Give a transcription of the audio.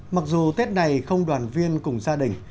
mặc dù tết này không đoàn viên cùng gia đình